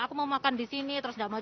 aku mau makan di sini terus nggak mau